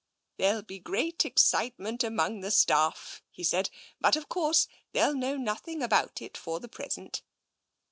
" There'll be great excitement amongst the staff," he said. " But, of course, they'll know nothing about it for the present."